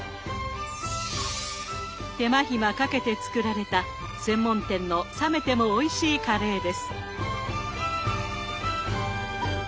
手間暇かけて作られた専門店の冷めてもおいしいカレーです。